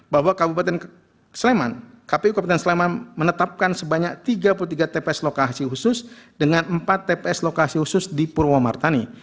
bahwa kabupaten sleman kpu kabupaten sleman menetapkan sebanyak tiga puluh tiga tps lokasi khusus dengan empat tps lokasi khusus di purwomartani